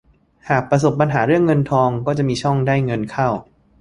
หากประสบปัญหาเรื่องเงินทองก็จะมีช่องได้เงินเข้า